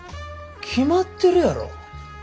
決まってるやろ。